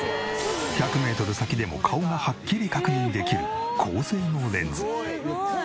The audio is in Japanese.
１００メートル先でも顔がはっきり確認できる高性能レンズ。